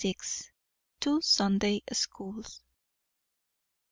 TWO SUNDAY SCHOOLS.